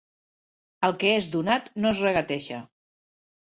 El que és donat no es regateja.